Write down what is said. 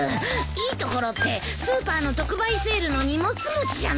いい所ってスーパーの特売セールの荷物持ちじゃないか。